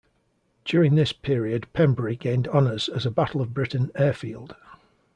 During this period Pembrey gained honours as a Battle of Britain Airfield.